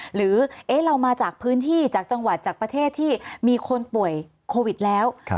หรือเรามาจากพื้นที่จากจังหวัดจากประเทศที่มีคนป่วยโควิดแล้ว